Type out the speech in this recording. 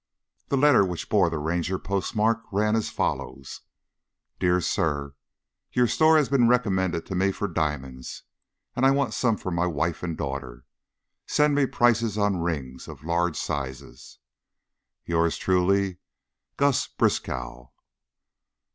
The letter, which bore the Ranger postmark, ran as follows: DERE SIR Your store has bin rekomend to me for dimons and I want some for my wife and dauter. Send me prises on rings of large sises. Yours truley GUS BRISKOW.